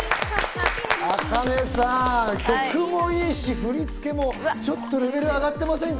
ａｋａｎｅさん、曲もいいし、振り付けもちょっとレベルが上がってませんか？